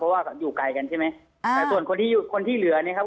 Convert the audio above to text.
เพราะว่าอยู่ไกลกันใช่ไหมอ่าแต่ส่วนคนที่อยู่คนที่เหลือเนี่ยครับ